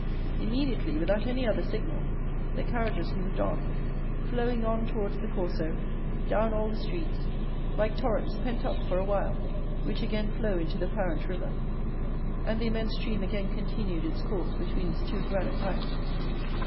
Immediately, without any other signal, the carriages moved on, flowing on towards the Corso, down all the streets, like torrents pent up for a while, which again flow into the parent river; and the immense stream again continued its course between its two granite banks.